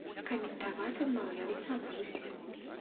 Каментаваць адмаўляюцца амаль усе.